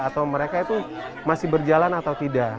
atau mereka itu masih berjalan atau tidak